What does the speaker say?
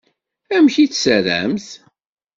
Amek i tt-terramt?